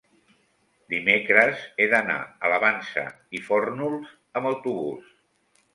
dimecres he d'anar a la Vansa i Fórnols amb autobús.